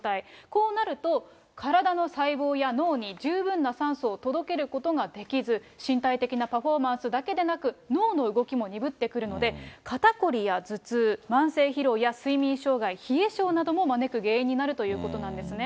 こうなると、体の細胞や脳に、十分な酸素を届けることができず、身体的なパフォーマンスだけでなく脳の動きも鈍ってくるので、肩こりや頭痛、慢性疲労や睡眠障害、冷え性なども招く原因になるということなんですね。